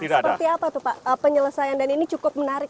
seperti apa tuh pak penyelesaian dan ini cukup menarik